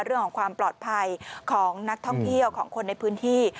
เรื่องของความปลอดภัยของนักท่องเที่ยวของคนในพื้นที่